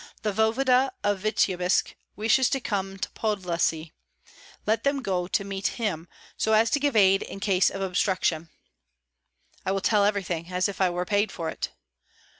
The voevoda of Vityebsk wishes to come to Podlyasye; let them go to meet him, so as to give aid in case of obstruction." "I will tell everything, as if I were paid for it."